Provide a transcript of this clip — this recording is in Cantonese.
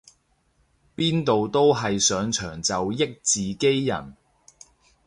邊度都係上場就益自己人